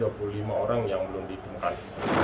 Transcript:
ada dua puluh lima orang yang belum ditemukan